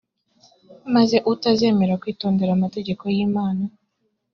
maze utazemera kwitondera amategeko y imana